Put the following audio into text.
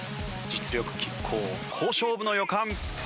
実力拮抗好勝負の予感。